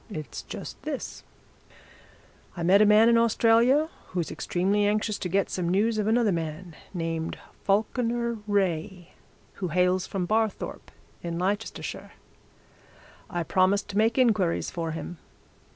'It's just this I met a man in Australia who's extremely anxious to get some news of another man, named Falkiner Wraye, who hails from Barthorpe, in Leicestershire. I promised to make inquiries for him.